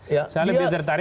dia lima puluh triliun aja